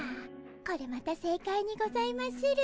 これまた正解にございまする。